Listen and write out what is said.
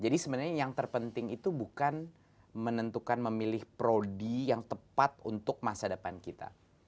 jadi sebenarnya yang terpenting itu bukan menentukan memilih prodi yang tepat untuk masa depan kita